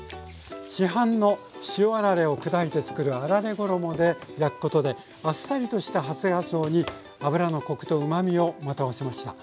市販の塩あられを砕いて作るあられ衣で焼くことであっさりとした初がつおに油のコクとうまみをまとわせました。